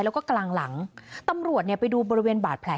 แล้วก็กลางหลังตำรวจเนี่ยไปดูบริเวณบาดแผล